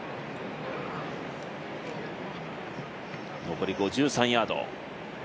残り５３ヤード。